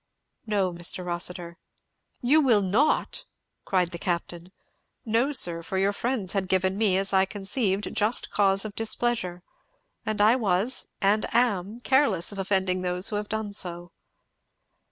"No, Mr. Rossitur." "You will not!" cried the Captain. "No, sir; for your friends had given me, as I conceived, just cause of displeasure; and I was, and am, careless of offending those who have done so."